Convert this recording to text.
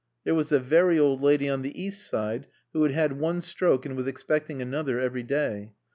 There was the very old lady on the east side, who had had one stroke and was expecting another every day.